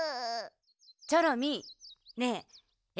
チョロミーねええ